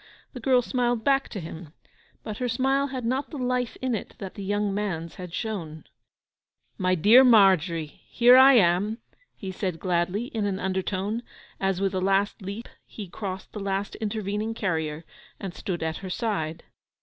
The girl smiled back to him; but her smile had not the life in it that the young man's had shown. 'My dear Margery—here I am!' he said gladly in an undertone, as with a last leap he crossed the last intervening carrier, and stood at her side.